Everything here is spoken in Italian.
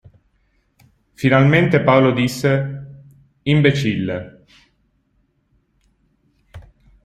Finalmente Paolo disse: Imbecille!